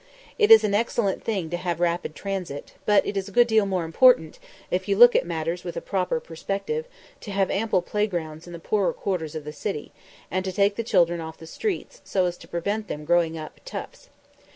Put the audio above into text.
... It is an excellent thing to have rapid transit, but it is a good deal more important, if you look at matters with a proper perspective, to have ample playgrounds in the poorer quarters of the city, and to take the children off the streets so as to prevent them growing up toughs.